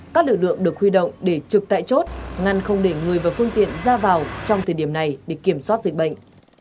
các lực lượng được huy động để trực tại chốt ngăn không để người và phương tiện ra vào trong thời điểm này để kiểm soát dịch bệnh